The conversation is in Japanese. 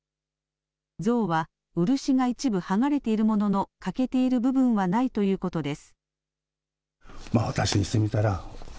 像は漆が一部剥がれているものの欠けている部分はないということです。